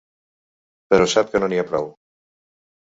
Però sap que no n’hi ha prou.